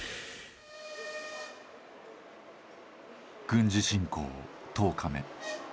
軍事侵攻１０日目。